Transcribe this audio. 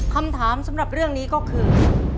คำถามสำหรับเรื่องนี้ก็คือ